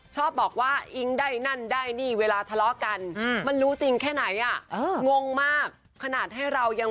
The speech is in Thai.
ชอบบอกว่าอิงได้นั่นได้นี่เวลาทะเลาะกัน